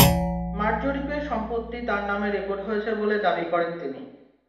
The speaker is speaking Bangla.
মাঠ জরিপে সম্পত্তি তাঁর নামে রেকর্ড হয়েছে বলে দাবি করেন তিনি।